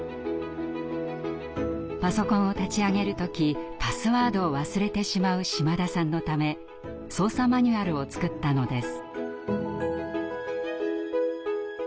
パソコンを立ち上げる時パスワードを忘れてしまう島田さんのため操作マニュアルを作ったのです。